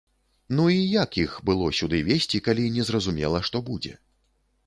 Ну і як іх было сюды везці, калі не зразумела, што будзе?